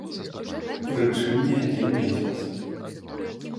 Прычым не адзін месяц.